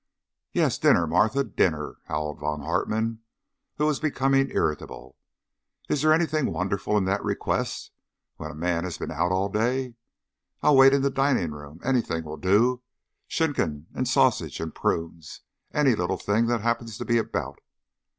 "Yes, dinner, Martha, dinner!" howled Von Hartmann, who was becoming irritable. "Is there anything wonderful in that request when a man has been out all day? I'll wait in the dining room. Anything will do. Schinken, and sausage, and prunes any little thing that happens to be about.